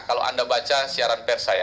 kalau anda baca siaran pers saya